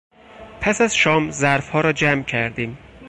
پس از شام ظرفها را جمع کردیم.